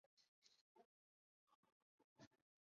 欧洲冬青的提取物可以令老鼠的血压下降至致命水平。